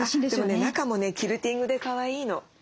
でもね中もねキルティングでかわいいの。